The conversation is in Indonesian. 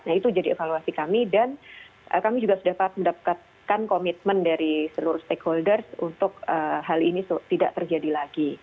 nah itu jadi evaluasi kami dan kami juga sudah mendapatkan komitmen dari seluruh stakeholders untuk hal ini tidak terjadi lagi